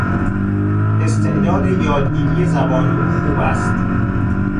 استعداد یادگیری زبان او خوب است.